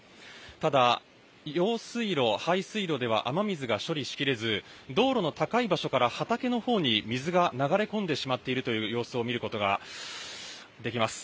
ただ用水路、排水路では雨水が処理しきれず道路の高い場所から畑の方に水が流れ込んでしまっている様子を見ることができます。